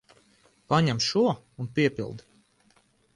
Paņem šo un piepildi.